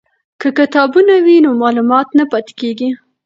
که کتابتون وي نو معلومات نه پاتیږي.